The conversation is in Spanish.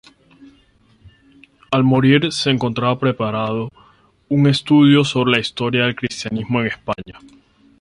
Al morir se encontraba preparando un estudio sobre la historia del cristianismo en España.